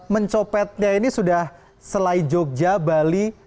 mencopetnya ini sudah selain jogja bali